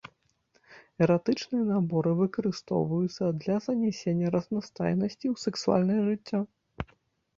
Эратычныя наборы выкарыстоўваюцца для занясення разнастайнасці ў сексуальнае жыццё.